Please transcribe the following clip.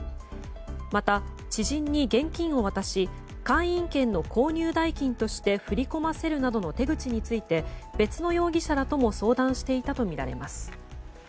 また、知人に現金を渡し会員権の購入代金として振り込ませるなどの手口について別の容疑者らとも相談していたとみられます。